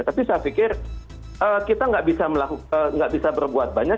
tapi saya pikir kita nggak bisa berbuat banyak